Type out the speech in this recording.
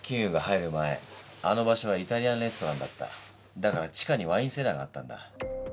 だから地下にワインセラーがあったんだ。